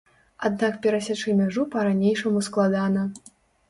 Аднак перасячы мяжу па-ранейшаму складана.